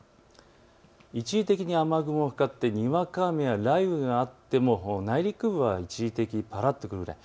一時的に雨雲がかかってにわか雨や雷雨があっても内陸部は一時的にぱらっと降るぐらい。